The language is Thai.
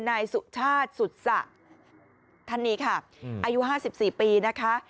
นายสุชาติสุษะท่านนี้ค่ะอายุ๕๔ปีนะคะ